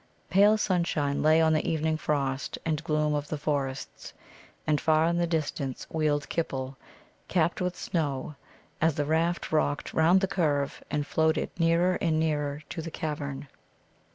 Pale sunshine lay on the evening frost and gloom of the forests, and far in the distance wheeled Kippel, capped with snow, as the raft rocked round the curve and floated nearer and nearer to the cavern.